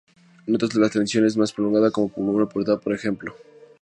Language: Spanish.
En otras la transición es más prolongada como una pubertad, por ejemplo.